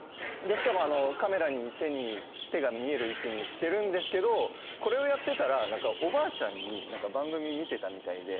しかもカメラに手が見える位置にしてるんですけどこれをやってたらおばあちゃんになんか番組見てたみたいで。